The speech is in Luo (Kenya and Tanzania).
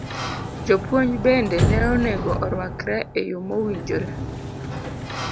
Jopuonj bende ne onego orwakre e yo mowinjore.